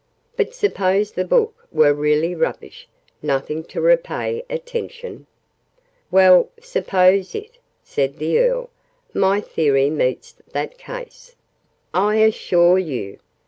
"But suppose the book were really rubbish nothing to repay attention?" "Well, suppose it," said the Earl. "My theory meets that case, I assure you!